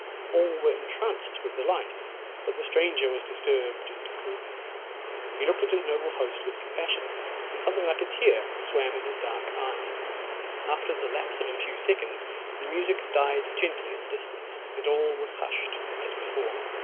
All were entranced with delight, but the stranger was disturbed and gloomy; he looked at his noble host with compassion, and something like a tear swam in his dark eye. After the lapse of a few seconds, the music died gently in the distance, and all was hushed as before.